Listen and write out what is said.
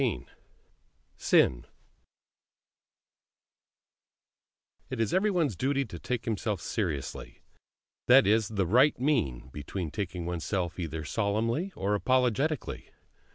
XIX SIN It is every one's duty to take himself seriously that is the right mean between taking oneself either solemnly or apologetically.